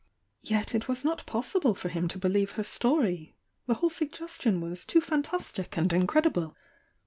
Yet it was not possible for him to believe her story, — the whole suggestion was too fantastic and incredible.